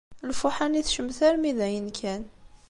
Lfuḥa-nni tecmet armi d ayen kan.